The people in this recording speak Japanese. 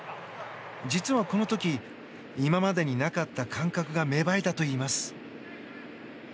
実はこの時、今までになかった感覚が芽生えたといいます。